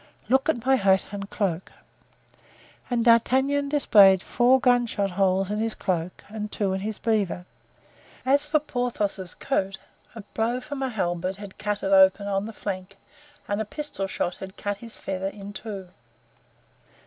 "Look at my hat and cloak." And D'Artagnan displayed four gunshot holes in his cloak and two in his beaver. As for Porthos's coat, a blow from a halberd had cut it open on the flank and a pistol shot had cut his feather in two.